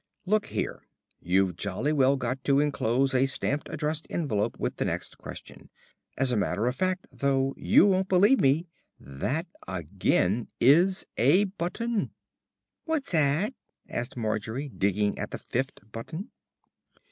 "Look here, you've jolly well got to enclose a stamped addressed envelope with the next question. As a matter of fact, though you won't believe me, that again is a button." "What's 'at?" asked Margery, digging at the fifth button.